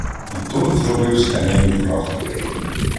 І Турн зробивсь Енею враг.